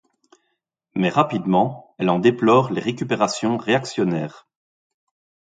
Mais, rapidement, elle en déplore les récupérations réactionnaires.